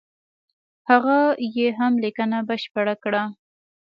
هغه یې هم لیکنه بشپړه کړه.